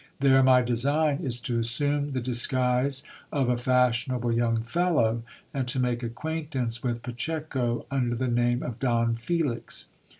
There my design is to assume the dis guise of a fashionable young fellow, and to make acquaintance with Pacheco under the name of Don Felix.